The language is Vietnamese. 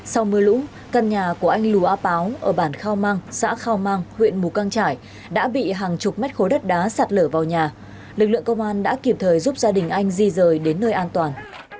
sau mưa lũ căn nhà của anh lù á páo ở bản khao mang xã khao mang huyện mù căng trải đã bị hàng chục mét khối đất đá sạt lở vào nhà lực lượng công an đã kịp thời giúp gia đình anh di rời đến nơi an toàn